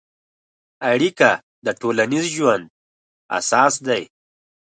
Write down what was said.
اړیکه د ټولنیز ژوند اساس دی.